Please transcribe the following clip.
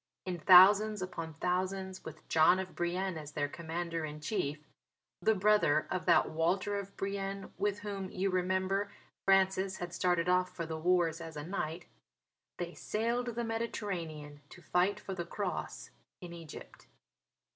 In thousands upon thousands, with John of Brienne as their Commander in Chief (the brother of that Walter of Brienne with whom, you remember, Francis had started for the wars as a knight), they sailed the Mediterranean to fight for the Cross in Egypt.